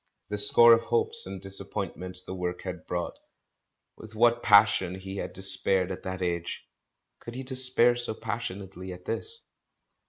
The score of hopes and disappoint ments the work had brought; with what passion he had despaired at that age! Could he despair so passionately at this?